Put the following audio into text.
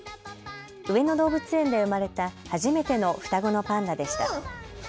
上野動物園で生まれた初めての双子のパンダでした。